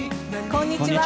こんにちは。